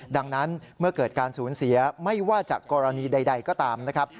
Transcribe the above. ดังนั้นเมื่อเกิดการสูญเสียไม่ว่าจากกรณีใดก็ตามนะครับ